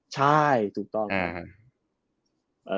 ใช่ถูกต้องครับ